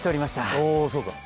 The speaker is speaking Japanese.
おうそうか！